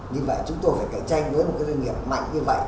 như vậy chúng tôi phải cạnh tranh với một cái doanh nghiệp mạnh như vậy